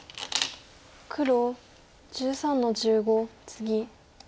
黒１３の十五ツギ。